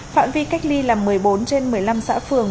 phạm vi cách ly là một mươi bốn trên một mươi năm xã phường